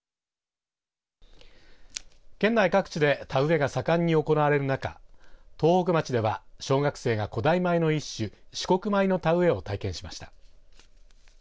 県内各地で田植えが盛んに行われる中東北町では小学生が古代米の一種紫黒米の田植えを体験しました。